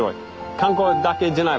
観光だけじゃない。